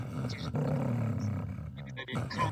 د فيلسوفانو آندونه د سياست لپاره بنسټونه جوړوي.